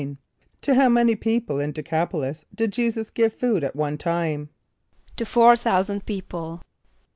= To how many people in D[+e] c[)a]p´o l[)i]s did J[=e]´[s+]us give food at one time? =To four thousand people.